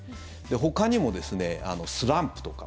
ほかにも、スランプとか。